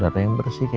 hari ini aku lagi harap